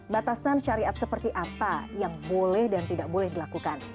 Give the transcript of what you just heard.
batasan syariat seperti apa yang boleh dan tidak boleh dilakukan